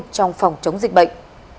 trong phòng chống dịch bệnh